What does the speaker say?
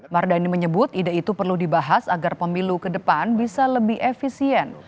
mardani menyebut ide itu perlu dibahas agar pemilu ke depan bisa lebih efisien